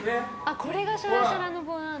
これがシャラシャラの棒なんだ。